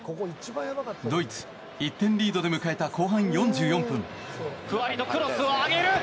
ドイツ、１点リードで迎えた後半４４分。